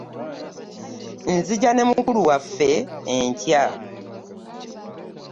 Nzija ne mukulu waffe enkya.